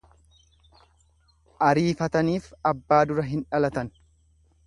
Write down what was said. Ariifataniif abbaa dura hin dhalatan.